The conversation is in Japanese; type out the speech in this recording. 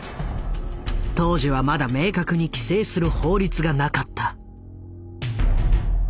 当時はまだ明確に規制する法律がなかった。